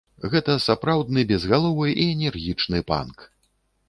Гэта сапраўдны безгаловы і энергічны панк.